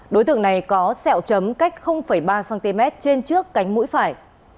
đối tượng này có sẹo chấm cách ba cm trên trước cánh mũi phải